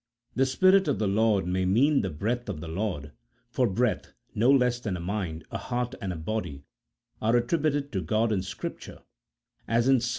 The Spirit of the Lord may mean the breath of the Lord, for breath, no less than a mind, a heart, and a body are attributed to God in Scripture, as in Ps.